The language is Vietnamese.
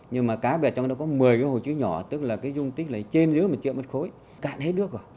nhưng mà cá bè trong đó có một mươi hồ chứa nhỏ tức là dung tích trên dưới một triệu mất khối cạn hết nước rồi